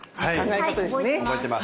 はい覚えてます。